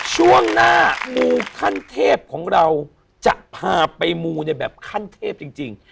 ช่วงหน้ามูขั้นเทพของเราจะพาไปมูในแบบขั้นเทพจริง